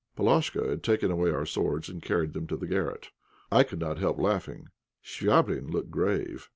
Palashka had taken away our swords, and had carried them to the garret. I could not help laughing. Chvabrine looked grave.